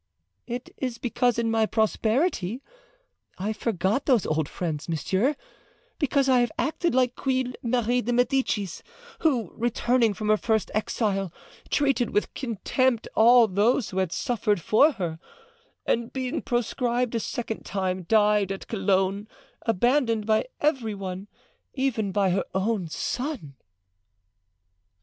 "It is because in my prosperity I forgot those old friends, monsieur; because I have acted like Queen Marie de Medicis, who, returning from her first exile, treated with contempt all those who had suffered for her and, being proscribed a second time, died at Cologne abandoned by every one, even by her own son."